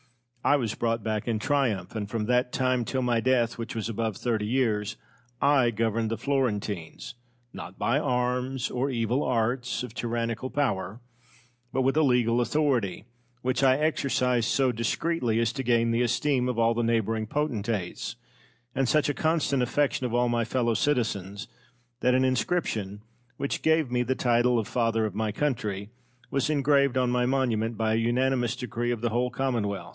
I was brought back in triumph, and from that time till my death, which was above thirty years, I governed the Florentines, not by arms or evil arts of tyrannical power, but with a legal authority, which I exercised so discreetly as to gain the esteem of all the neighbouring potentates, and such a constant affection of all my fellow citizens that an inscription, which gave me the title of Father of my Country, was engraved on my monument by an unanimous decree of the whole Commonwealth.